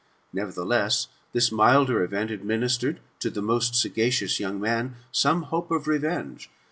Neverthdess, this milder event administered to the most sagacious young man some hope of revenge.